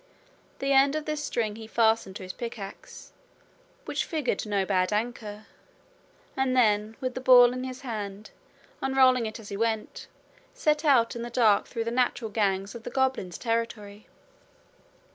The end of this string he fastened to his pickaxe, which figured no bad anchor, and then, with the ball in his hand, unrolling it as he went, set out in the dark through the natural gangs of the goblins' territory.